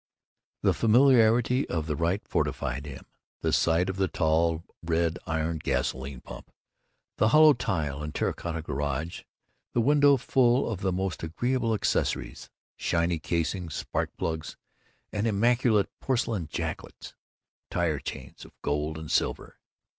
The familiarity of the rite fortified him: the sight of the tall red iron gasoline pump, the hollow tile and terra cotta garage, the window full of the most agreeable accessories shiny casings, spark plugs with immaculate porcelain jackets, tire chains of gold and silver.